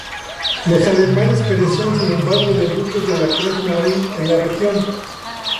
Los alemanes carecían, sin embargo, de buques de la Kriegsmarine en la región.